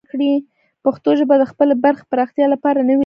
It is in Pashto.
پښتو ژبه د خپلې برخې پراختیا لپاره نوې لارې چارې پیدا کوي.